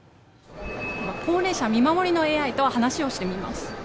高齢者見守りのＡＩと話をしてみます。